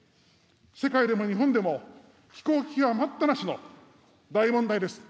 世界でも日本でも気候危機は待ったなしの大問題です。